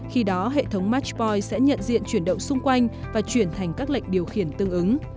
khi đó hệ thống matppoin sẽ nhận diện chuyển động xung quanh và chuyển thành các lệnh điều khiển tương ứng